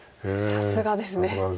さすがです。